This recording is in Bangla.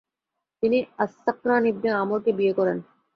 তিনি আস-সাকরান ইবনে আমরকে বিয়ে করেন।